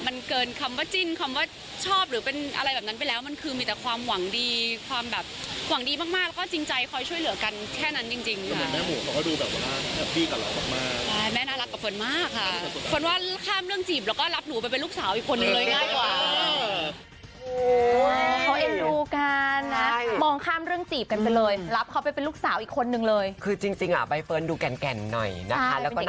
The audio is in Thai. มันเกินคำว่าจริงคำว่าชอบหรือเป็นอะไรแบบนั้นไปแล้ว